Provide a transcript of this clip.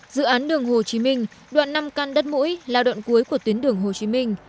dự án đường hồ chí minh đoạn năm căn đất mũi là đoạn cuối của tuyến đường hồ chí minh